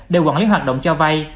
để quản lý hoạt động cho vay